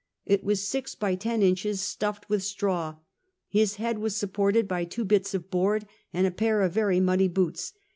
It was six by ten inches, stuffed with straw. His head was supported by two bits of board and a pair of very muddy boots.